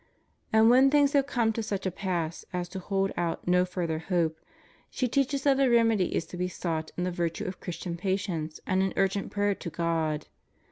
And when things have come to such a pass as to hold out no further hope, she teaches that a remedy is to be sought in the virtue of Christian patience and in urgent prayer to God.